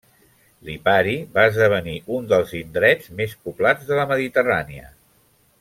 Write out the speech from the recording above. Lipari va esdevenir un dels indrets més poblats de la Mediterrània.